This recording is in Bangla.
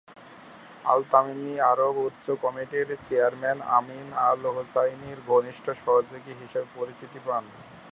আল-তামিমি আরব উচ্চ কমিটির চেয়ারম্যান আমিন আল-হুসাইনির ঘনিষ্ঠ সহযোগী হিসেবে পরিচিতি পান।